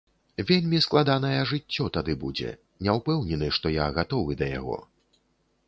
Вельмі складаная жыццё тады будзе, не ўпэўнены, што я гатовы да яго.